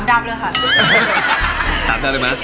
๓ดามได้ไหม